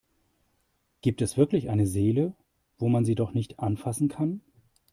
Gibt es wirklich eine Seele, wo man sie doch nicht anfassen kann?